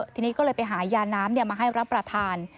ทีนี้ก็เลยไปหายาน้ำมาให้รับประทาน